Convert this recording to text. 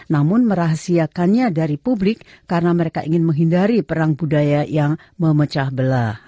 namun merahasiakannya dari publik karena mereka ingin menghindari perang budaya yang memecah belah